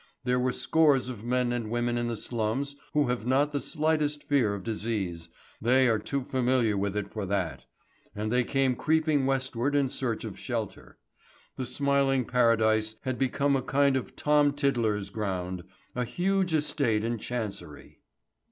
There were scores of men and women in the slums who have not the slightest fear of disease they are too familiar with it for that and they came creeping westward in search of shelter. The smiling paradise had become a kind of Tom Tiddler's ground, a huge estate in Chancery.